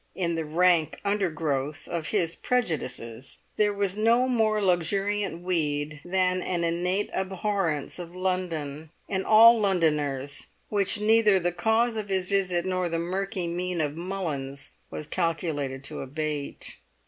In the rank undergrowth of his prejudices there was no more luxuriant weed than an innate abhorrence of London and all Londoners, which neither the cause of his visit nor the murky mien of Mullins was calculated to abate.